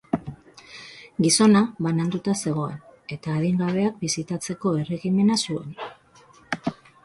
Gizona bananduta zegoen eta adingabeak bisitatzeko erregimena zuen.